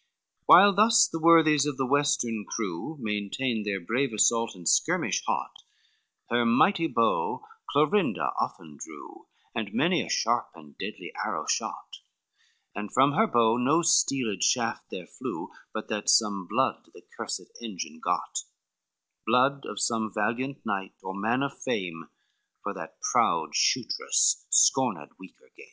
XLI While thus the worthies of the western crew Maintained their brave assault and skirmish hot, Her mighty bow Clorinda often drew, And many a sharp and deadly arrow shot; And from her bow no steeled shaft there flew But that some blood the cursed engine got, Blood of some valiant knight or man of fame, For that proud shootress scorned weaker game.